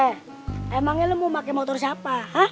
hei emangnya lu mau pake motor siapa